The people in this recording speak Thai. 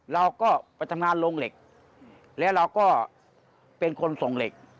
เราก็ไปทำงานโรงเหล็กแล้วเราก็เป็นคนส่งเหล็ก